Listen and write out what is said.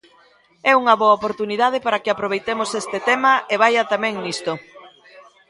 É unha boa oportunidade para que aproveitemos este tema e vaia tamén nisto.